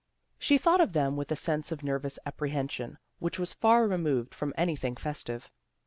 She thought of them with a sense of nervous appre hension which was far removed from anything festive.